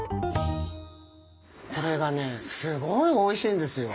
これがねすごいおいしいんですよ。